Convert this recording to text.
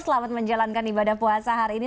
selamat menjalankan ibadah puasa hari ini